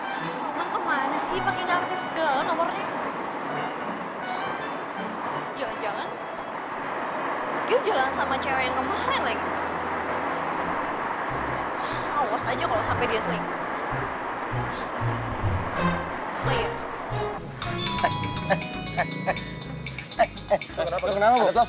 awas aja kalau sampai dia selingkuh